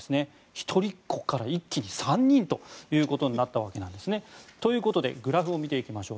一人っ子から一気に３人ということになったんですね。ということでグラフを見ていきましょう。